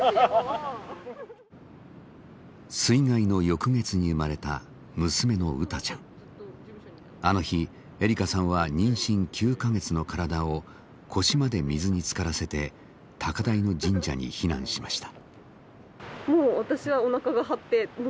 水害の翌月に生まれたあの日栄里香さんは妊娠９か月の体を腰まで水につからせて高台の神社に避難しました。